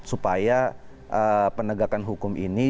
supaya penegakan hukum ini